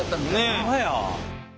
ほんまや。